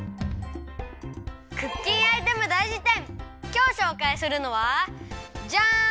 きょうしょうかいするのはジャン！